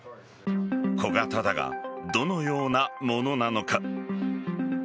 小型だがどのようなものなのか。